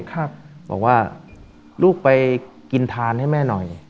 บอกว่าลูกไปกินทานให้แม่หน่อย